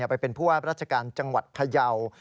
ไปเป็นราชการจังหวัดพยาว